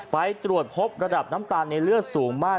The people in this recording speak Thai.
ไปตรวจพบระดับน้ำตาลในเลือดสูงมาก